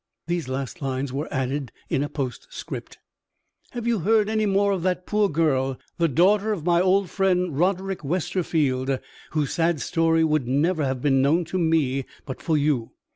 These last lines were added in a postscript: "Have you heard any more of that poor girl, the daughter of my old friend Roderick Westerfield whose sad story would never have been known to me but for you?